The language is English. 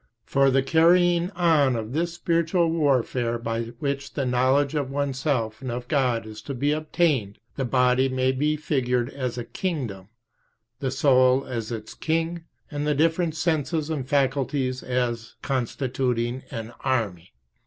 For the carrying on of this spiritual warfare by which the knowledge of oneself and of God is to be obtained, the body may be figured as a kingdom, the soul as its king, and the different senses and faculties as constituting an army.